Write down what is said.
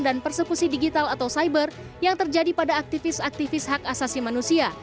persekusi digital atau cyber yang terjadi pada aktivis aktivis hak asasi manusia